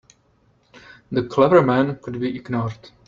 The clever men could be ignored.